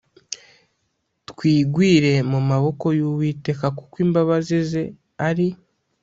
twigwire mu maboko y uwiteka kuko imbabazi ze ari